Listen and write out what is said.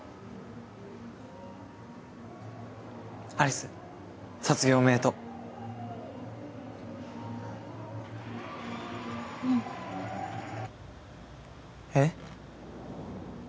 有栖卒業おめでとううんえっ？